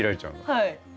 はい。